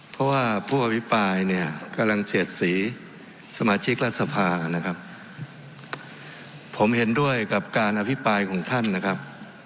เพราะว่าผู้อภิปรายเนี่ยกำลังเฉียดสีสมาชิกรัฐสภานะครับผมเห็นด้วยกับการอภิปรายของท่านนะครับ